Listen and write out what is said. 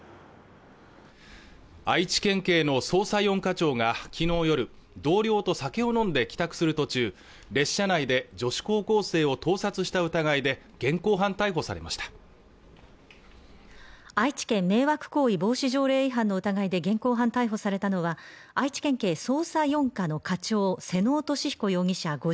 愛知県警の捜査四課長が昨日夜同僚と酒を飲んで帰宅する途中列車内で女子高校生を盗撮した疑いで現行犯逮捕されました愛知県迷惑行為防止条例違反の疑いで現行犯逮捕されたのは愛知県警捜査四課の課長妹尾利彦容疑者